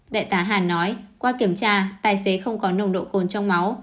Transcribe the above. đại tá hà nói qua kiểm tra tài xế không có nồng độ cồn trong máu